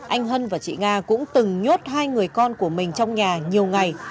anh hân và chị nga cũng từng nhốt hai người con của mình trong nhà nhiều ngày